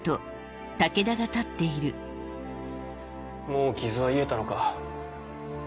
もう傷は癒えたのか？